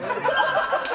ハハハハ！